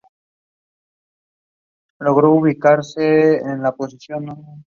En Monteverde, luego de un largo proceso de maduración, se logra un exquisito sabor.